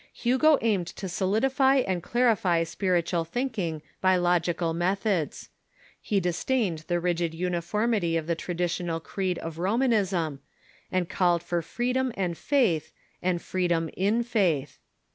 Hugo aimed to solidify and clarify spiritual thinking by logical methods. He disdained the rigid uniformity of the traditional creed of Romanism, and called for freedom and faith, and freedom in faith.